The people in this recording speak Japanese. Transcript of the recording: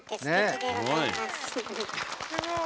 すごい。